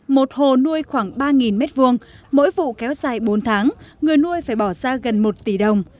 một hồ nuôi khoảng ba m hai mỗi vụ kéo dài bốn tháng người nuôi phải bỏ ra gần một tỷ đồng